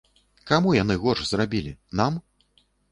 Каму яны горш зрабілі, нам?